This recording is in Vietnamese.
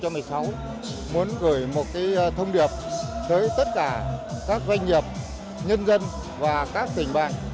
muốn gửi một thông điệp tới tất cả các doanh nghiệp nhân dân và các tỉnh bạn